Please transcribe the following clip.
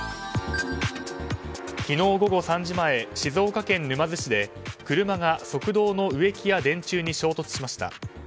昨日午後３時前静岡県沼津市で車が側道の植木や電柱に衝突しました。